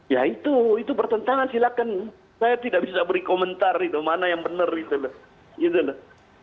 ya itu itu pertentangan silahkan saya tidak bisa beri komentar mana yang benar itu loh